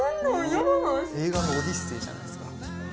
映画の『オデッセイ』じゃないですか。